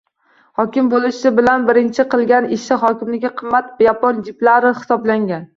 Hokim bo‘lishi bilan birinchi qilgan ishi hokimlikdagi qimmat yapon «jip»lari hisoblangan